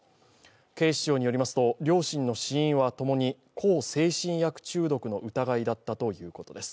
警視庁によりますと、両親の死因は共に向精神薬中毒の疑いだったということです。